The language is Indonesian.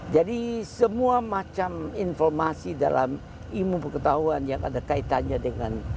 jadi semua macam informasi dalam ilmu pengetahuan yang ada kaitannya dengan